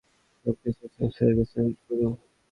সবকিছু শেষ হয়ে গেছে, গুরু!